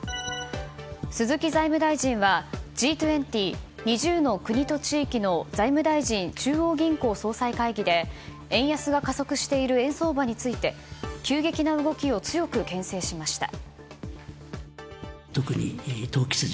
鈴木財務大臣はＧ２０・２０の国と地域の財務大臣・中央銀行総裁会議で円安が加速している円相場について急激な動きを強く牽制しました。